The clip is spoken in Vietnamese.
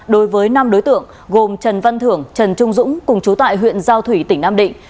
đối với năm đối tượng gồm trần văn thưởng trần trung dũng cùng chú tại huyện giao thủy tỉnh nam định